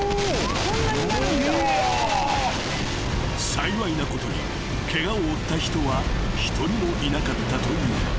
［幸いなことにケガを負った人は一人もいなかったという］